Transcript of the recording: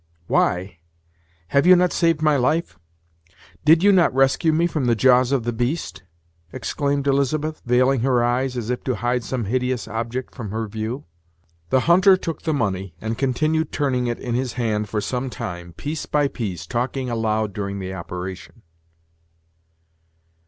"Why! have you not saved my life? Did you not rescue me from the jaws of the beast?" exclaimed Elizabeth, veiling her eyes, as if to hide some hideous object from her view. The hunter took the money, and continued turning it in his hand for some time, piece by piece, talking aloud during the operation.